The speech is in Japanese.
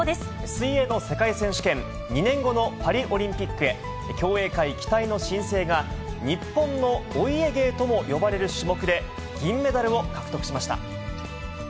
水泳の世界選手権、２年後のパリオリンピックへ、競泳界期待の新星が、日本のお家芸とも呼ばれる種目で、銀メダルを獲得しました。